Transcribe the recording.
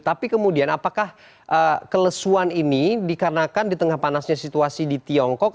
tapi kemudian apakah kelesuan ini dikarenakan di tengah panasnya situasi di tiongkok